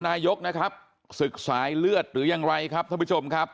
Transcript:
นายกนะครับศึกสายเลือดหรือยังไรครับท่านผู้ชมครับ